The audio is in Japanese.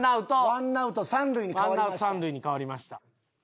ワンアウト三塁に変わりました。